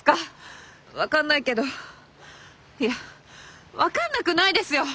分かんないけどいや分かんなくないですよ。